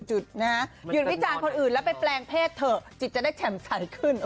หยุดวิจารณ์คนอื่นแล้วไปแปลงเพศเถอะจิตจะได้แฉ่มใสขึ้น